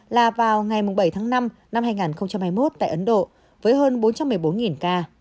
là vào ngày bảy tháng năm năm hai nghìn hai mươi một tại ấn độ với hơn bốn trăm một mươi bốn ca